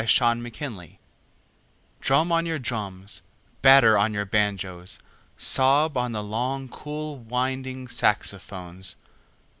Jazz Fantasia DRUM on your drums, batter on your banjoes, sob on the long cool winding saxophones.